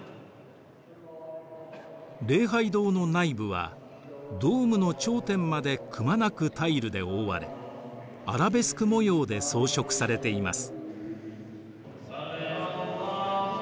礼拝堂の内部はドームの頂点までくまなくタイルで覆われアラベスク模様で装飾されています。